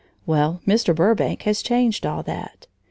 Well, Mr. Burbank has changed all that.